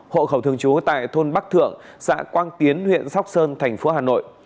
hộ khẩu thường chú tại thôn bắc thượng xã quang tiến huyện sóc sơn tp hà nội